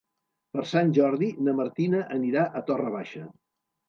Per Sant Jordi na Martina anirà a Torre Baixa.